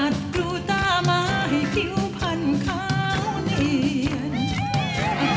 อัดกลูตามาให้ผิวพันขาวเนียน